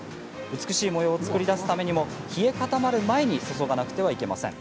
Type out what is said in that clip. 美しい模様を作り出すためにも冷え固まる前に注がなくてはいけません。